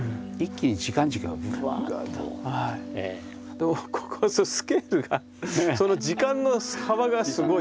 でもここはスケールがその時間の幅がすごい。